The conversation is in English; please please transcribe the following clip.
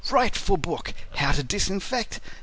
Write for book, "How to Disinfect."